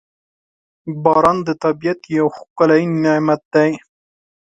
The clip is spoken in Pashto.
• باران د طبیعت یو ښکلی نعمت دی.